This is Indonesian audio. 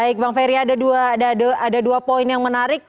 baik bang ferry ada dua poin yang menarik